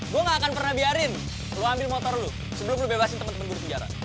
gua ga akan pernah biarin lu ambil motor lu sebelum lu bebasin temen temen guru pinjara